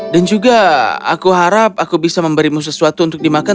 dan juga aku harap aku bisa memberimu sesuatu untuk dimakan